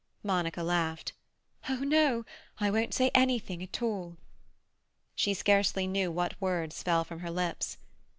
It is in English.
Monica laughed. "Oh no, I won't say anything at all." She scarcely knew what words fell from her lips.